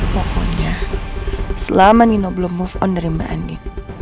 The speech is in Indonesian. pokoknya selama nino belum move on dari mbak andi